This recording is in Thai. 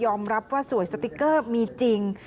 รับว่าสวยสติ๊กเกอร์มีจริง